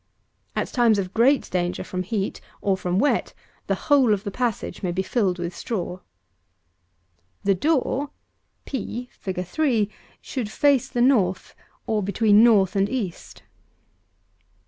At times of great danger from heat, or from wet, the whole of the passage may be filled with straw. The door (p. FIG. 3) should face the North, or between North and East.